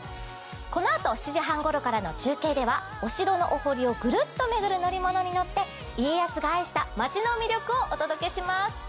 このあと７時半ごろからの中継ではお城のお堀をぐるっと巡る乗り物に乗って家康が愛した街の魅力をお届けします。